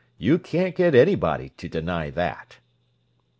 "You can't get anybody to deny that."